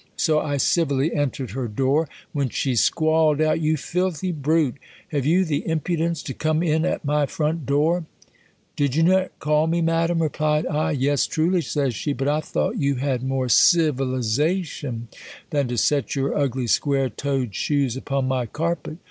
So I civilly entered her door ; when she squalled out, " You filthy brute ! Have you die impudence to come in at my front door ?" Did you not call me, madam ? replied I. Yes, truly, says she ; but I thought you had more civ ilization, than to set your ugly, square toed shoes upon my carpet.